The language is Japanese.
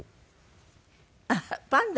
あっパンダ？